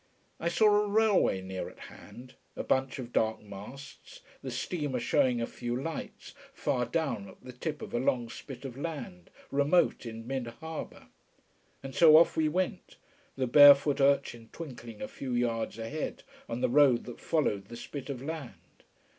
I saw a railway near at hand a bunch of dark masts the steamer showing a few lights, far down at the tip of a long spit of land, remote in mid harbour. And so off we went, the barefoot urchin twinkling a few yards ahead, on the road that followed the spit of land.